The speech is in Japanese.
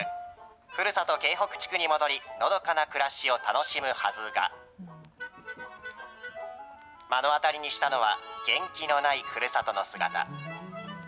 ふるさと、京北地区に戻り、のどかな暮らしを楽しむはずが、目の当たりにしたのは、元気のないふるさとの姿。